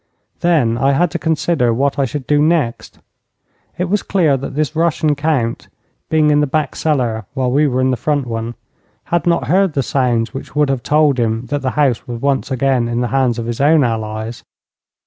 Then I had to consider what I should do next. It was clear that this Russian Count, being in the back cellar while we were in the front one, had not heard the sounds which would have told him that the house was once again in the hands of his own allies.